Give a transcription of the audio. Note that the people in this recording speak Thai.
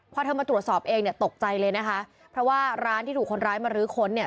พอเธอมาตรวจสอบเองเนี่ยตกใจเลยนะคะเพราะว่าร้านที่ถูกคนร้ายมารื้อค้นเนี่ย